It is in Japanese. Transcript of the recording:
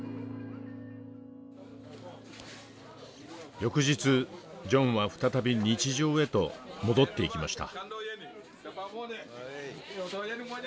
翌日ジョンは再び日常へと戻っていきました。